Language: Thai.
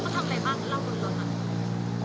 เขาทำอะไรบ้างเล่าบนรถค่ะ